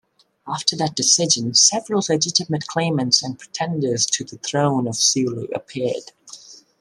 After that decision several legitimate claimants and pretenders to the throne of Sulu appeared.